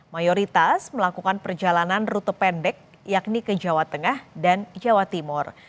mayoritas melakukan perjalanan rute pendek yakni ke jawa tengah dan jawa timur